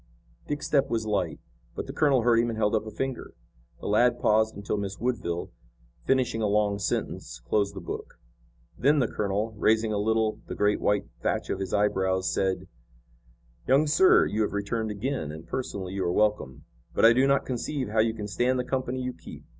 Dick's step was light, but the colonel heard him and held up a finger. The lad paused until Miss Woodville, finishing a long sentence, closed the book. Then the colonel, raising a little the great white thatch of his eyebrows, said: "Young sir, you have returned again, and, personally, you are welcome, but I do not conceive how you can stand the company you keep.